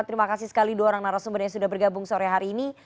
terima kasih sekali dua orang narasumber yang sudah bergabung sore hari ini